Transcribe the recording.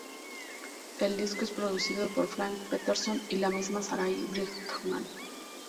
El disco es producido por Frank Peterson y la misma Sarah Brightman.